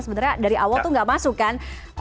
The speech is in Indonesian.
sebenarnya dari awal tuh nggak masuk kan